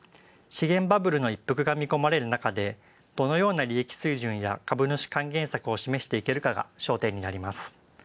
資源バブルのいっぷくが見込まれるなかでどのような利益水準や株主還元策を示していけるかが焦点になります。